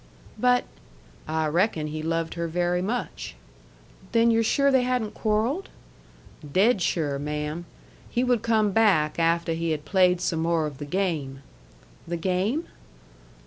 "But " "I reckon he loved her very much." "Then you're sure they hadn't quarrelled?" "Dead sure, ma'am. He would come back afteh he had played some more of the game." "The game?"